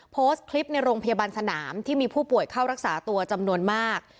โพสต์คลิปในโรงพยาบาลสนามที่มีผู้ป่วยเข้ารักษาตัวจำนวนมาก